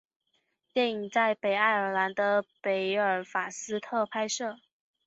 电影在北爱尔兰的贝尔法斯特拍摄。